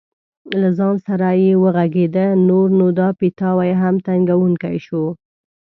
له ځان سره یې وغږېده: نور نو دا پیتاوی هم تنګوونکی شو.